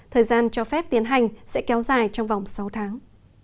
thời gian cho phép tiến hành sẽ kéo dài trong vòng sáu tháng